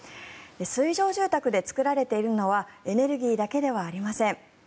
水上住宅で作られているのはエネルギーだけではありません。